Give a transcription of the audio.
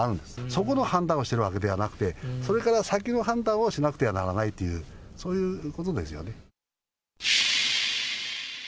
そこの判断をしてるわけではなくて、それから先の判断をしなくてはならないという、そういうことですよね。